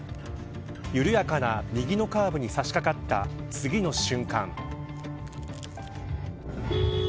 緩やかな右のカーブに差しかかった次の瞬間。